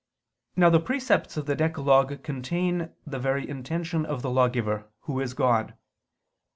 Now the precepts of the decalogue contain the very intention of the lawgiver, who is God.